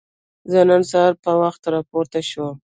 زه نن سهار په وخت راپورته شوم.